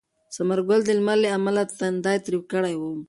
ثمر ګل د لمر له امله تندی تریو کړی و.